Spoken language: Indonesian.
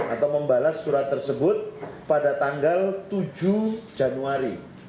atau membalas surat tersebut pada tanggal tujuh januari